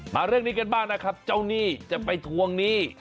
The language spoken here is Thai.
เรื่องนี้กันบ้างนะครับเจ้าหนี้จะไปทวงหนี้